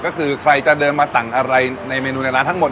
ก็คือใครจะเดินมาสั่งอะไรในเมนูในร้านทั้งหมด